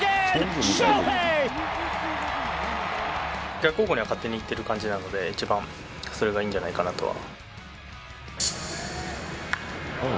逆方向には勝手に行ってる感じなので、一番それがいいんじゃないかなとは。